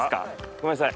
ごめんなさい。